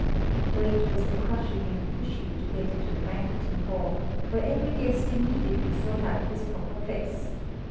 "] Great was the crushing and pushing to get into the banqueting hall, where every guest immediately sought out his proper place.